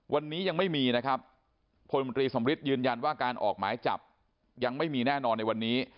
วันนี้ยังไม่มีนะครับพลมตรีสมฤทธิยืนยันว่าการออกหมายจับยังไม่มีแน่นอนในวันนี้